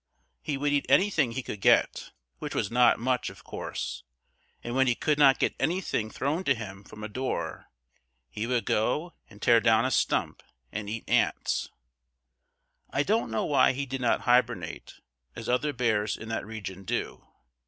He would eat anything he could get, which was not much, of course, and when he could not get anything thrown to him from a door he would go and tear down a stump and eat ants. I don't know why he did not hibernate, as other bears in that region do.